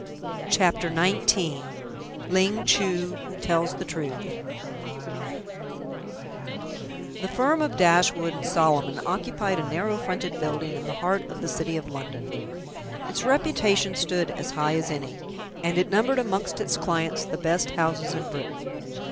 CHAPTER XIX LING CHU TELLS THE TRUTH The firm of Dashwood and Solomon occupied a narrow fronted building in the heart of the City of London. Its reputation stood as high as any, and it numbered amongst its clients the best houses in Britain.